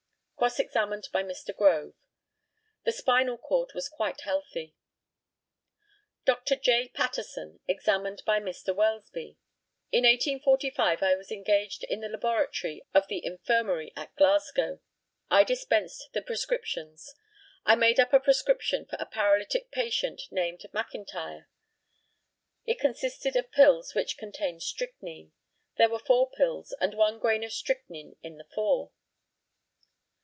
Cross examined by Mr. GROVE: The spinal cord was quite healthy. Dr. J. PATTERSON, examined by Mr. WELSBY: In 1845 I was engaged in the laboratory of the Infirmary at Glasgow. I dispensed the prescriptions. I made up a prescription for a paralytic patient named M'Intyre. It consisted of pills which contained strychnine. There were four pills, and one grain of strychnine in the four.